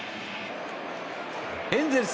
エンゼルス